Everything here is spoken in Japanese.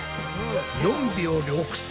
４秒６３！